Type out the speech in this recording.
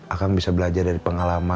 akan bisa belajar dari pengalaman